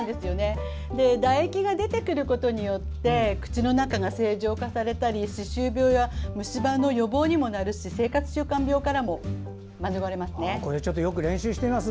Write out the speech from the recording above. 唾液が出てくることによって口の中が正常化されたり歯周病や虫歯の予防にもなるし生活習慣病からも逃れられます。